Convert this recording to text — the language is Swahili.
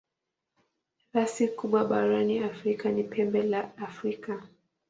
Rasi kubwa barani Afrika ni Pembe la Afrika.